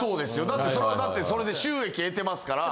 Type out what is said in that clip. だってそれはだってそれで収益得てますから。